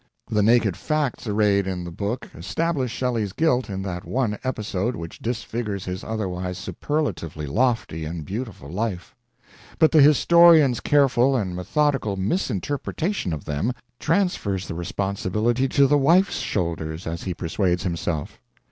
The naked facts arrayed in the book establish Shelley's guilt in that one episode which disfigures his otherwise superlatively lofty and beautiful life; but the historian's careful and methodical misinterpretation of them transfers the responsibility to the wife's shoulders as he persuades himself.